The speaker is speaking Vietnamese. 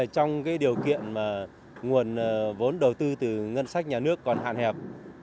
trong điều kiện mà nguồn vốn đầu tư từ ngân sách nhà nước còn hạn hẹp